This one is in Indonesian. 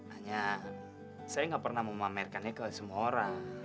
hanya saya nggak pernah memamerkannya ke semua orang